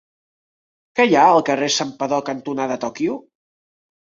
Què hi ha al carrer Santpedor cantonada Tòquio?